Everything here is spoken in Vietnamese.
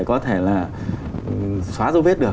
có thể là xóa dấu vết được